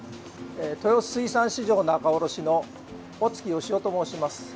豊洲水産市場仲卸の小槻義夫と申します。